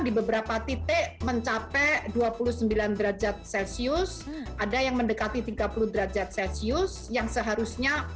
di beberapa titik mencapai dua puluh sembilan derajat celcius ada yang mendekati tiga puluh derajat celcius yang seharusnya